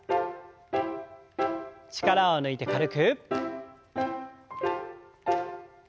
力を抜いて軽く。